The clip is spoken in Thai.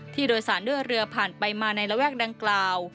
ผู้โดยสารด้วยเรือผ่านไปมาในระแวกดังกล่าว